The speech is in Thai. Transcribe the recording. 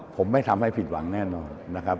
ผมไม่ทำให้ผิดหวังแน่นอนนะครับ